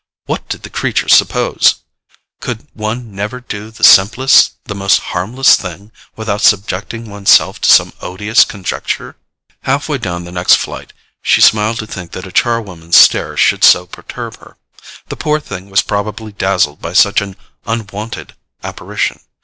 What did the creature suppose? Could one never do the simplest, the most harmless thing, without subjecting one's self to some odious conjecture? Half way down the next flight, she smiled to think that a char woman's stare should so perturb her. The poor thing was probably dazzled by such an unwonted apparition.